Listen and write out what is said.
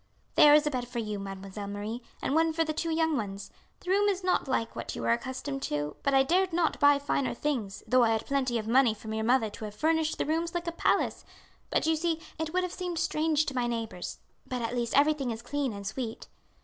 "There is a bed for you, Mademoiselle Marie, and one for the two young ones. The room is not like what you are accustomed to, but I dared not buy finer things, though I had plenty of money from your mother to have furnished the rooms like a palace; but you see it would have seemed strange to my neighbours; but, at least, everything is clean and sweet."